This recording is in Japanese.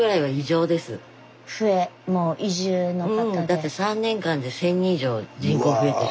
だって３年間で１，０００人以上人口増えて。